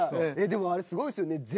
でもあれすごいですよね。